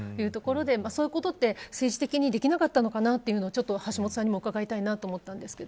そういうことって政治的にできなかったのかというのを橋下さんにも伺いたいなと思ったんですけど。